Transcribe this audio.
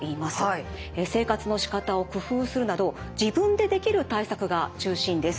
生活のしかたを工夫するなど自分でできる対策が中心です。